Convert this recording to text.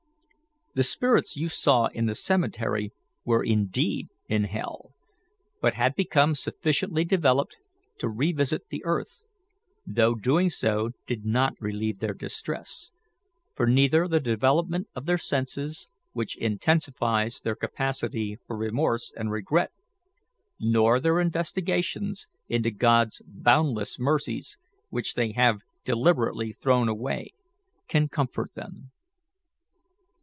"The spirits you saw in the cemetery were indeed in hell, but had become sufficiently developed to revisit the earth, though doing so did not relieve their distress; for neither the development of their senses, which intensifies their capacity for remorse and regret, nor their investigations into God's boundless mercies, which they have deliberately thrown away, can comfort them.